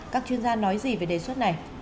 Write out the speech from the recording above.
các chuyên gia nói gì về đề xuất này